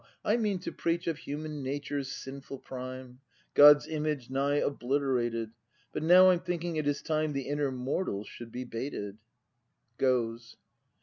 I mean to preach Of human nature's sinful prime, God's image nigh obliterated. — But now I'm thinking it is time The inner mortal should be baited. [Goes.